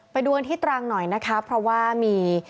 ไปดูกันที่ตรังหน่อยนะคะเพราะว่ามี